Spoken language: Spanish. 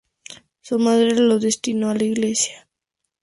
Su madre lo destinó a la Iglesia.